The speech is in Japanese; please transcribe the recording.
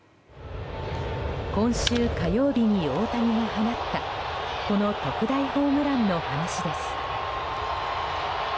今週火曜日に大谷が放ったこの特大ホームランの話です。